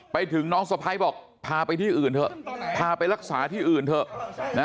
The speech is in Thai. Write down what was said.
ไปถึงน้องสะพ้ายบอกพาไปที่อื่นเถอะพาไปรักษาที่อื่นเถอะนะ